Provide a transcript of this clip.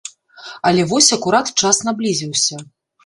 Але вось акурат час наблізіўся.